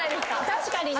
確かにね。